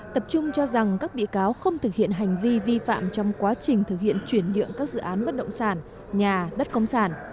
tập trung cho rằng các bị cáo không thực hiện hành vi vi phạm trong quá trình thực hiện chuyển nhượng các dự án bất động sản nhà đất công sản